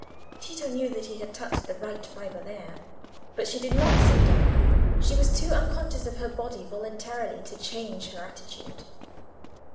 Tito knew that he had touched the right fibre there. But she did not sit down; she was too unconscious of her body voluntarily to change her attitude.